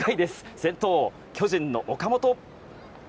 先頭、巨人の岡本。